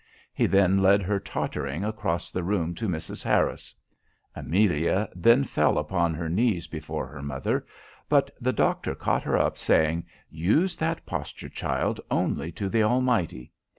He then led her tottering across the room to Mrs. Harris. Amelia then fell upon her knees before her mother; but the doctor caught her up, saying, 'Use that posture, child, only to the Almighty!